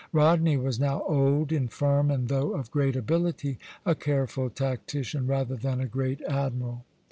Rodney was now old, infirm, and though of great ability, a careful tactician rather than a great admiral.